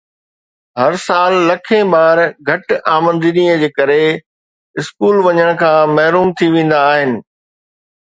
هر سال لکين ٻار گهٽ آمدني جي ڪري اسڪول وڃڻ کان محروم ٿي ويندا آهن